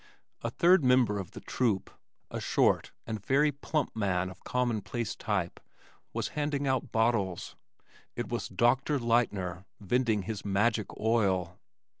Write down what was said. A third member of the "troupe," a short and very plump man of commonplace type, was handing out bottles. It was "Doctor" Lightner, vending his "Magic Oil."